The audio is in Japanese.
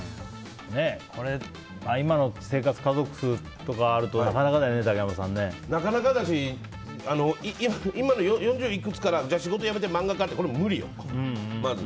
これ、今の生活家族とかがあるとなかなかだよね、竹山さん。なかなかだし今の四十いくつからじゃあ、仕事辞めて漫画家ってそれは無理よ、まず。